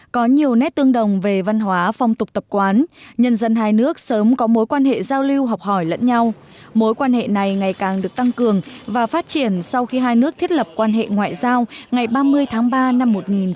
có nhiều nét tương đồng về văn hóa phong tục tập quán nhân dân hai nước sớm có mối quan hệ giao lưu học hỏi lẫn nhau mối quan hệ này ngày càng được tăng cường và phát triển sau khi hai nước thiết lập quan hệ ngoại giao ngày ba mươi tháng ba năm một nghìn chín trăm bảy mươi